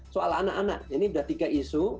soal anak anak ini sudah tiga isu